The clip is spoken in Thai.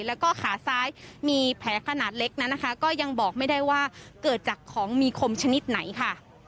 แล้วก็ขาซ้ายมีแผลขนาดเล็กนั้นนะคะก็ยังบอกไม่ได้ว่าเกิดจากของมีคมชนิดไหนค่ะ